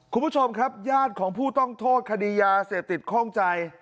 คุณผู้ชมครับญาติของผู้ต้องโทษคดียาเสพติดข้องใจ